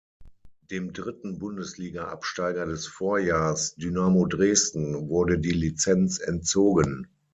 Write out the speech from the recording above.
Dem dritten Bundesliga-Absteiger des Vorjahrs, Dynamo Dresden, wurde die Lizenz entzogen.